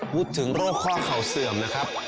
พูดถึงโรคข้อเข่าเสื่อมนะครับ